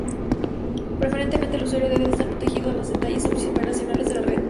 Preferentemente el usuario debe de estar protegido de los detalles operacionales de la red.